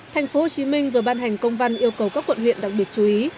tp hcm vừa ban hành công văn yêu cầu các quận huyện đặc biệt chú ý